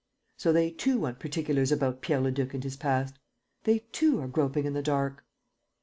... So they, too, want particulars about Pierre Leduc and his past? ... They, too, are groping in the dark?